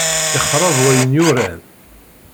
Ixṛeb wayen yuran.